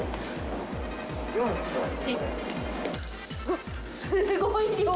わっすごい量。